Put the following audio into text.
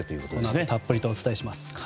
このあとたっぷりとお伝えします。